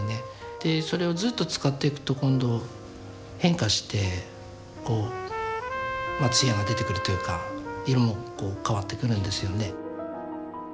でそれをずっと使っていくと今度変化してこう艶が出てくるというか色もこう変わってくるんですよね。